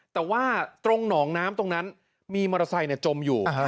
แต่ว่าตรงหนองน้ำตรงนั้นมีมอเตอร์ไซค์จมอยู่